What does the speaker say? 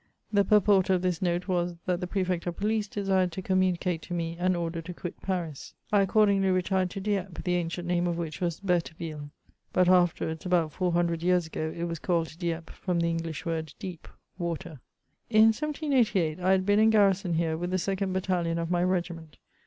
'* The purport of this note was, that the Prefect of Police desired to communicate to me an order to quit Paris. I accordingly retired to Dieppe, the ancient name of which was Bertheville ; but afterwards, about four hundred years ago, it was called Dieppe, from the English word '< deep " (water). In 1788, I had been in garrison here with the second battalion of my regiment.